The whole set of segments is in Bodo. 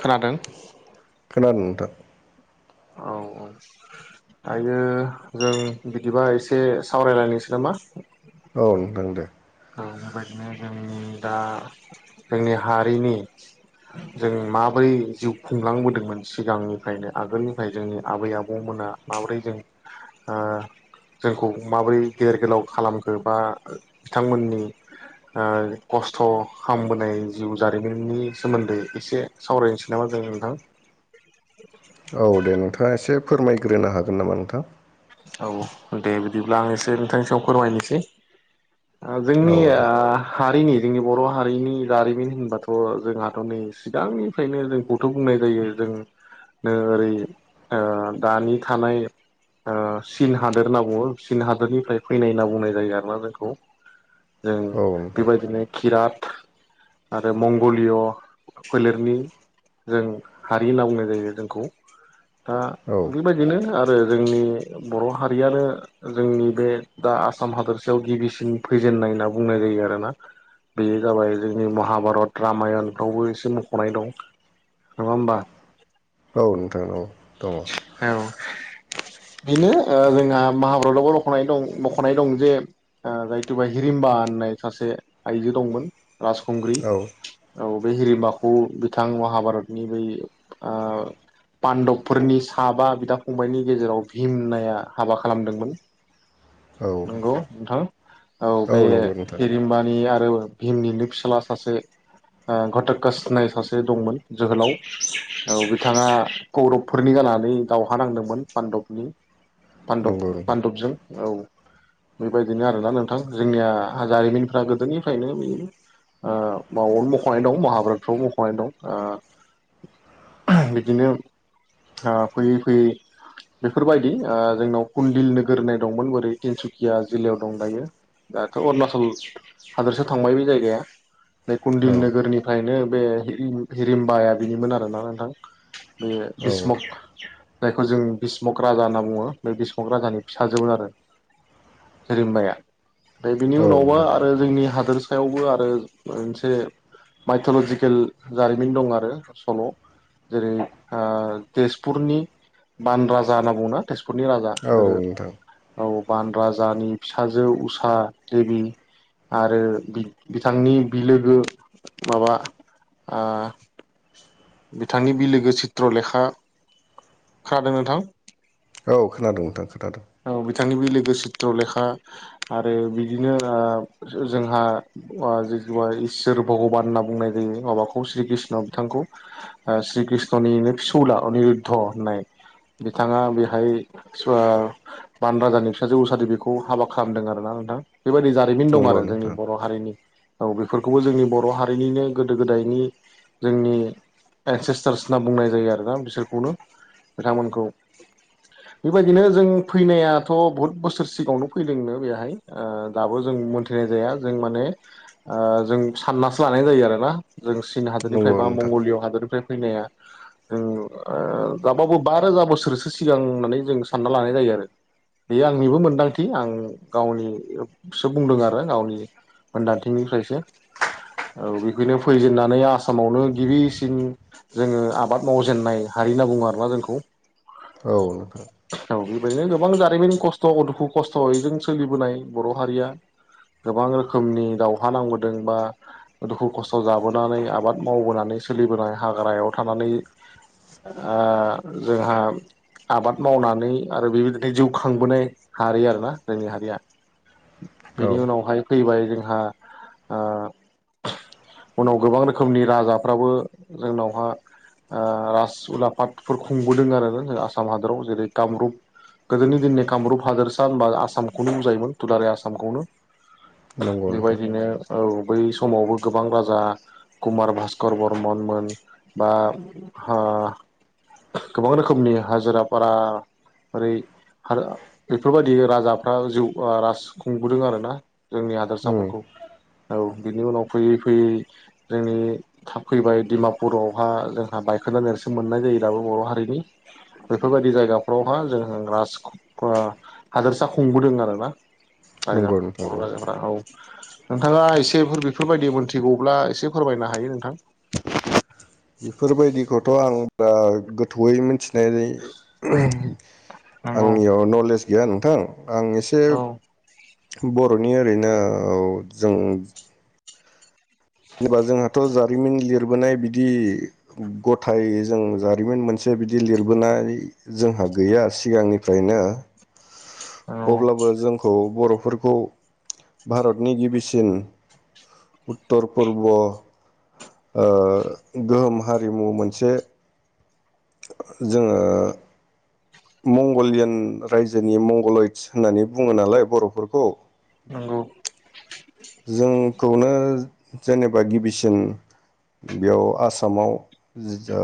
खोनादों? औ नोंथां। औ औ दायो जों बिदिबा एसे सावरायलायनोसै नामा? औ नोंथां दे औ बेबायदिनो जों दा जोंनि हारिनि जों माबोरै जिउ खुंलांबोदोंमोन सिगांनिफ्रायनो आगोलनिफ्राय जोंनि आबै आबौमोना माबोरै जों ओह जोंखौ माबोरै गेर गोलाव खालामखो बा बिथांमोननि ओह खस्थ' खालामबोनाय जिउ जारिमिननि सोमोन्दै एसे सावरायनोसै नामा जों नोंथां? औ दे नोंथाङा एसे फोरमायग्रोनो हागोन नामा नोंथां? औ दे बिदिब्ला आं एसे नोंथांनि सि आव फोरमायनोसै। ओ औ जोंनि दे आह हारिनि जोंनि बर' हारिनि जारिमिन होनबाथ' जोंहाथ' नै सिगांनिफ्रायनो जोंखौथ' बुंनाय जायो जोंनो ओरै ओह दानि थानाय ओह चीन हादोर होनना बुङो चीन हादोरनिफ्राय फैनाय होनना बुंनाय जायो आरोना जोंखौ। जों औ नोंथां बेबायदिनो किरात आरो मंगलिय' फोलेरनि जों हारि होनना बुंनाय जायो जोंखौ। दा औ बेबायदिनो आर बो जोंनि बर' हारियानो जोंनि बे दा आसाम हादरसायाव गिबिसिन फैजेननाय होनना बुंनाय जायो आरोना बेयो जाबाय जोंनि महाभारत रामायनफ्रावबो एसे मख'नाय दं नङा होमबा? औ नोंथां औ द औ बेनो ओह जोंहा माहाभारतआवबो लखनाय दं मख'नाय दं जे ओह जायथुबा हिरिमबा होननाय सासे आइजो दंमोन राजखुंग्रि औ औ बे हिरिमबाखौ बिथां महाभारतनि बै ओह पान्दब फोरनि साबा बिदा फंबायनि गेजेराव भिम होननाया हाबा खालामदोंमोन। औ नंगौ नोंथां औ बे नंगौ नोंथां हिरिमबानि आरो भिमनिनो फिसाला सासे ओ घटत्कास होननाय सासे दंमोन जोहोलाव औ बिथाङा कौरबफोरनि गानानै दावहा नांदोंमोन पान्दबनि पान्दब नंगौ नोंथां पान्दबजों औ। बेबायदिनो आरोना नोंथां जोंनिया जारिमिनफ्रा गोदोनिफ्रायनो बि ओ मावनो मख'नाय दं महाभारतफ्राव मख'नाय दं ओह बिदिनो ओह फैयै फैयै बेफोरबायदि ओह जोंनाव कुन्दिल नोगोर होननाय दंमोन बोरै तिनसुकिया जिल्लायाव दं दायो दाथ' अरुणाचल हादोरसा थांबाय बे जायगाया बेै औ कुन्दिल नोगोरनिफ्रायनो बे हिरिम हिरिम्बाया बिनिमोन आरोना नोंथां बे औ भीष्मक जायखौ जों भीष्मक राजा होनना बुङो बे भीष्मक राजानि फिसाजोमोन आरो। हिरिमबाया दायो बिनि औ उनावबा नोंथां आरो जोंनि हादोरसायावबो आरो मोनसे माइथल'जिकेल जारिमिन दं आरो सल' जेरै ओह तेजपुरनि बान राजा होनना बुङो ना तेजपुरनि राजा औ गोदो नोंथां औ। बान राजानि फिसाजो उषा देबि आरो बिथ बिथांनि बिलोगो माबा ओह बिथांनि बिलोगो चित्रलेखा, खोनादों नोंथां? औ खोनादों नोंथां खोनादों। गो सित्रलेखा आरो बिदिनो ओह जो जोंहा ओह जि जुवाय इसोर भगबान होनना बुंनाय जायो माबाखौ श्री कृष्ण बिथांखौ ओह श्री कृष्णनिनो फिसौला अनिरुध' होननाय बिथाङा बेहाय ओह बान राजानि फिस जो उसा देबि बेखौ हाबा खालामदों आरोना नोंथां बेबायदि जा मिन दं नंगौ आरो जोंनि नोंथां बर' हारिनि। औ बेफोरखौबो जोंनि बर' हारिनिनो गोदो गोदायनि जोंनि एन्सेस्टार्स होनना बुंनाय जायो आरोना बिसोरखौनो बिथांमोनखौ बेबायदिनो जों फैनायाथ' बहुद बोसोर सिगाङावनो फैदोंनो बेहाय ओह दाबो जों मोन्थिनाय जाया जों माने ओह जों साननासो लानाय जायो आरोना। जों चीन हादोरनिफ्राय नंगौ बा नोंथां मंगलिय' हादोरनिफ्राय फैनाया जों ओह जाबाबो बा रोजा बोसोरसो सिगां माने जों सानना लानाय जायो आरो। बे आंनिबो मोनदांथि आं गावनि सो बुंदों आरो गावनि मोनदांथिनिफ्रायसो औ बिदिनो फैजेननानै आसामावनो गिबिसिन जोङो आबाद मावजेननाय हारि होनना बुङो आरोना जोंखौ। औ नोंथां। औ बेबायदिनो गोबां जारिमिन खस्थ' दुखु खस्थयैजों सोलिबोनाय बर' हारिया गोबां रोखोमनि दावहा नांबोदों बा दुखु खस्थ' जाबोनानै आबाद मावबोनानै सोलिबोनाय हाग्रायाव थानानै ओह जोंहा आबाद मावनानै आरो बेबायदिनो जिउ खां खांबोनाय हारि आरोना जोंनि हारिया औ बेनि उनावहाय फैबाय जोंहा ओह उनाव गोबां रोखोमनि राजाफ्राबो जोंनावहाओह राज उलाफादफोर खुंबोदों आरो जों आसाम हादराव जेरै कामरुप गोदोनि नि कामरुप हादोरसा होनबा आसामखौनो बुजायोमोन दुलाराय आसामखौनो। नंगौ नोंथां बेबायदिनो औ बै समावबो गोबां राजा कुमार भास्कर बर्मनमोन बा ओ गोबां रोखोमनि हाजिराफारा ओरै आरो बेफोरबायदि राजाफ्रा जिउ ओह राज खुंबोदों आरोना जोंनि उम हादोरसाफोरखौ औ बिनि उनाव फैयै फैयै जोंनि था फैबाय दिडमापुरावहा जोंहा बायखोनदा नेरसोन मोननाय जायो दाबो बर हारिनि बेफोरबायदि जायगाफ्रावहा जों राजखु ओ हादोरसा खुंबोदों आरोना। हायोदा नंगौ नोंथां बर औ राजाफोरा औ। नोंथाङा एसेफोर बेफोरबायदि मोनथिगौब्ला एसे फोरमायनो हायो नोंथां। बेफोरबायदिखौथ' थ' आं बिराद गोथौयै मिथिनाय नंगौ आंनियाव नलेज गैया नोंथां। आं एसे औ बर'नि ओरैनो औ जों जेनेबा जोंहाथ' जारिमिन लिरबोनाय बिदि गथायै जों जारिमिन मोनसे बिदि लिरबोनाय जोंहा गैया सिगांनिफ्रायनो अब्लाबो जोंखौ बर' फोरखौ भारतनि गिबिसिन उत्तर पुर्ब ओ गोहोम हारिमु मोनसे जोङो मंगलियान रायजोनि मंगलयत्स होननानै बुङो नालाय बर'फोरखौ नंगौ। जों खौनो जेनेबा गिबिसिन बेयाव आसामाव जिदा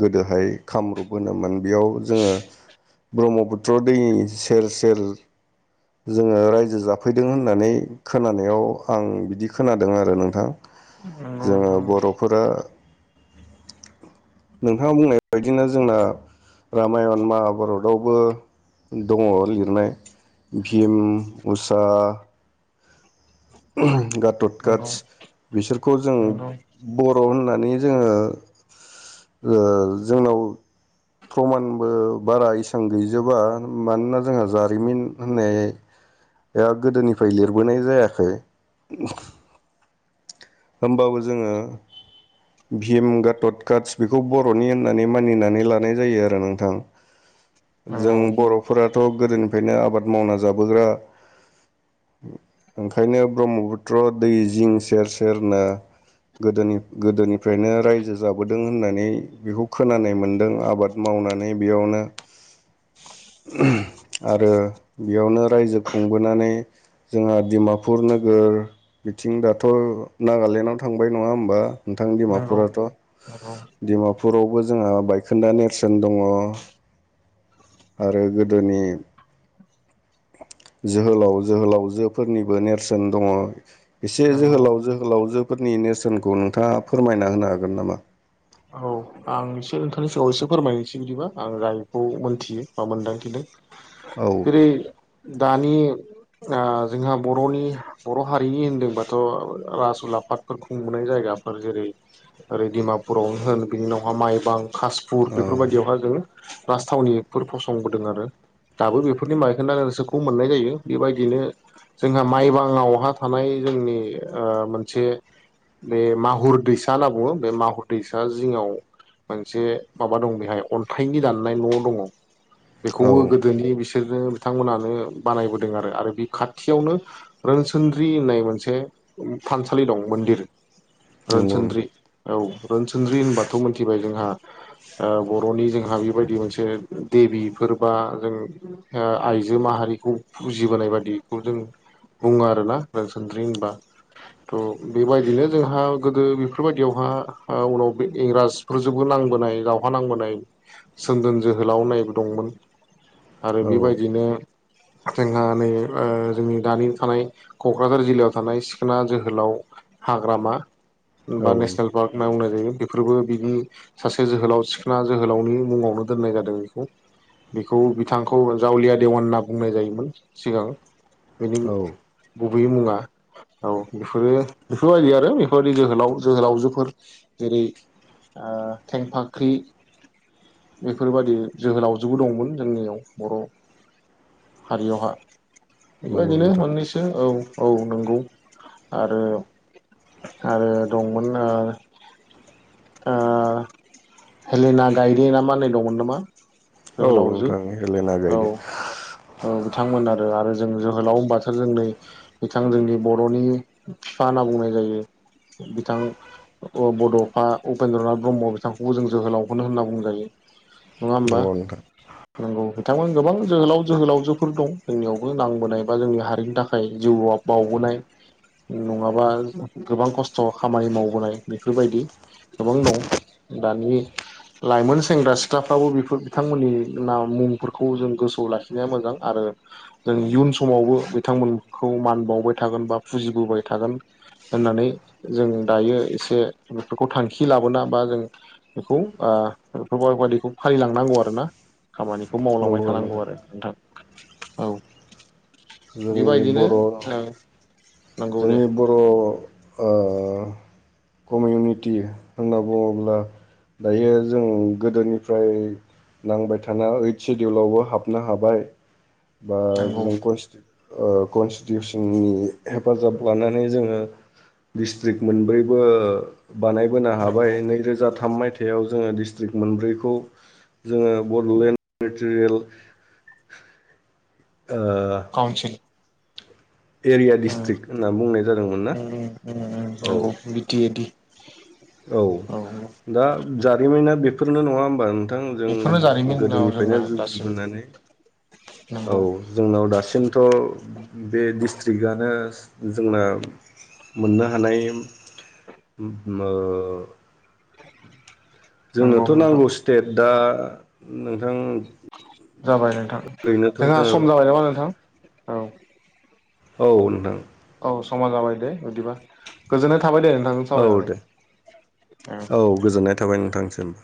गोदोहाय खामरुप होनोमोन बेयाव जोङो ब्रह्मपुत्र दैनि सेर सेर जोङो रायजो जाफैदों होननानै खोनानायाव आं बिदि खोनादों आरो नोंथां नंगौ जोङो बर'फोरा नोंथाङा बुंनाय बायदिनो जोंना रामायण महाभारतआवबो दङ लिरनाय भिम उषा [inaudible] गतद नंगौ नोंथां काटस बिसोरखौ जों नंगौ बर' होननानै नै जोङो ओ जोंनाव प्रमानबो बारा इसां गैजोबा मानोना जोंहा जारिमिन होननाया गोदोनिफ्राय लिरबोनाय जायाखै [inaudible] होमबाबो जोङो भिम गाटट काटस बेखौ बर'नि होननानै मानिनानै लानाय जायो आरो नोंथां। जों नंगौ बर'फोरा थ' गोदोनिफ्रायनो आबाद मावना जाबोग्रा ओंखायनो ब्रह्मपुत्र दै जिं सेर स सोरनो गोदोनि गोदोनिफ्रायनो रायजो जाबोदों होननानै बेखौ खोनानाय मोन्दों आबाद मावनानै बेयावनो आरो बेयावनो रायजो खुंबोनानै जोंहा डिमापुर नोगोर बिथिं दाथ' नागालेण्डआव थांबाय नङा होमबा नोंथां नंगौ नंगौ डिमापुराथ' नंगौ डिमापुरावबो जोंहा बायखोन्दा नेरसोन दङ आरो गोदोनि जोहोलाव जोहोलावजोफोरनिबो नेरसोन दङ एसे नंगौ जोहोलाव जोहोलावजो फोरनि नेरसोनखौ नोंथाङा फोरमायना होनो हागोन नामा? औ आं एसे नोंथांनि सिगाङाव एसे फोरमायहसै बिदिबा आं जायखौ मोनथियो बा मोनदांथिदों औ । जेरै दानि आ जोंहा बर'नि बर' हारिनि होनदोंबाथ' रासुल आफादफोर खुंबोनाय जायगाफोर जेरै ओरै दिमापुर । बरावनो होन बिनि उनावहा माइ बां । कासपुर औ बेफोरबायदियावहााय जोङो राजथावनिफोर फसंबोदों आरो दाबो बेफोरनि बाइखोनदा नेरसोनखौ मोननाय जायो बेबायदिनो जोंहा माइबांआवहा थानाय जोंनि मोनसे बे माहुर दैसा होनना बुङो बे माहुर दैैसा जिङाव मोनसे माबा दं बेहाय अन्थाइनि दाननाय न' दङ । औ बेखौबो गोदोनि बिसि बिसोरनो बिथांमोनानो बानायबोदों आरो आरो बे खाथियावनो रोनसोनद्रि होननाय मोनसे थानसालि दं मन्दिर नंगौ रोनसोनद्रि नोंथां औ । रोनसोनद्रि होनबाथ' मोनथिबाय जोंहा बर'नि जोंहा बेबायदि मोनसे देबिफोर बा जों आइजो माहारिखौ फुजिबोनाय बायदिखौ जों बुङो आरोना रोनसोनद्रि होनबा थ' बेबायदिनो जोंहा गोदो बेफोरबायदियावहा उनाव बे इंराजफोरजोंबो नांबोनाय दावहा नांबोनाय सोमदोन जोहोलाव नायबो दंमोन आरो औ बेबायदिनो जोंहा नै जोंनि दानि थानाय क'क्राझार जिल्लायाव थानाय सिखोना जोहोलाव हाग्रामा औ बा नेसनेल नोंथां पार्क। होनना बुंनाय जायो बेफोरबो बिनि सासे जोहोलाव सिखोना जोहोलावनि मुङावनो दोननाय जादों बेखौ बेखौ बिथांखौ जावलिया देवान होनना बुंनाय जायोमोन सिगां बिनि औ गुबैयै मुङा औ बेफोरो बेफोरबायदि आरो बेफोरबायदि जोहोलाव जोहोलावजोफोर जेरै ओ थेंफाख्रि बेफोरबायदि जोहोलावजोबो दंमोन जोंनियाव बर' हारियावहा । नंगौ बेबायदिनो नोंथां मोननैसो औ । औ नंगौ आरो-आरो दंमोन ओ ओ हेलेना गायदे ना मा होननाय दंमोन नामा? औ जोहोलावजो नोंथां हेलेना औ गायदे ओ । बिथांमोन आरो-आरो जों जोहोलाव होनबाथो जोंनै बिथां जोंनि बर'नि बिफा होनना बुंनाय जायो बिथां बड'फा उपेन्द्र नाथ ब्रह्म बिथांखौबो जों जोहोलावखौनो होनना बुंजायो । नंगौ नोंथां । नंगौ बिथांमोना गोबां जोहोलाव जोहोलावजोफोर दं जोंनियावबो नांबोनाय बा जोंनि हारिनि थाखाय जिउआव बावबोनाय नङाबा गोबां खस्थ' खामानि मावबोनाय । बेफोरबायदि गोबां दं दानि लाइमोन सेंग्रा सिख्लाफ्राबो बेफोर बिथांमोननि न मुंफोरखौ जों गोसोआव लाखिनाया मोजां आरो जों इयुन समावबो बिथांमोनखौ मान बावबाय थागोन बा फुजिबोबाय थागोन होननानै जों दायो एसे बेफोरखौ थांखि लाबोना बा जों बेखौ बेफोरबायाददिखौ फालिलांनांगौ आरोना खामानिखौ मावलांबाय नंगौ थानांगौ नोंथां आरो नोंथां औ जोंनि बेबायदिनो बर' नों नंगौ दे । जोंनि बर' ओ कमिउनिटि होनना बुङोब्ला दायो जों गोदोनिफ्राय नांबाय थानाय ओइथ सिडउलावबो हाबनो हाबाय । बा नंगौ जों खनस्टि ओ कनस्टिटिउसननि हेफाजाब लानानै जोङो डिस्ट्रिक्ट मोनब्रैबो बानायबोनो हाबाय नंगौ नैरोजा थाम मायथाइ जोङो दिस्ट्रिक्ट मोनब्रैखौ जोङो Bodoland territorial council. Area district होनना बुंनाय जादोंमोन ना उम उम उम औ नंगौ । बिटि ए डि औ दा जारिमिना बे बेफोरनो नंङा होमबा नो नोंथां जों बेफोरनो जारिमिन औ जोंना गोदोनिफ्रायनो दासिम जुजिबोनानै नंगौ औ जोंनाव दासिमथ बे डिस्ट्रिकआनो जोंना मोननो हानाय ओ नंगौ जोंनोथ नोंथां नांगौ स्टेट दा नोंथां जाबाय नोंथां ओरैनोथ' जोंहा सम जोङो जाबाय नामा नोंथां औ औ नोंथां ओ समा जाबाय दे बिदिबा गोजोन था औ दे औ गोजोननाय थाबाय नोंथां सिम